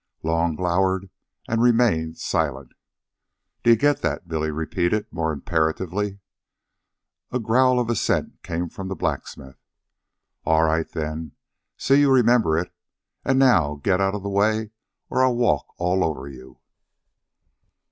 Long glowered and remained silent. "D'ye get that?" Billy repeated, more imperatively. A growl of assent came from the blacksmith "All right, then. See you remember it. An' now get outa the way or I'll walk over you."